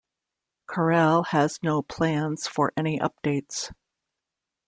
Corel has no plans for any updates.